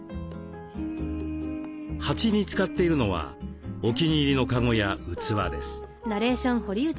鉢に使っているのはお気に入りのカゴや器です。